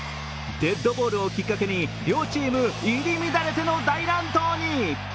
デッドボールをきっかけに両チーム入り乱れての大乱闘に。